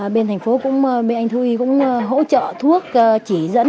bên thành phố cũng bên anh thu y cũng hỗ trợ thuốc chỉ dẫn